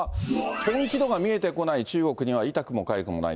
本気度が見えてこない中国には痛くもかゆくもない。